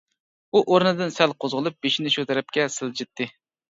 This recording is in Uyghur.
ئۇ ئورنىدىن سەل قوزغىلىپ بېشىنى شۇ تەرەپكە سىلجىتتى.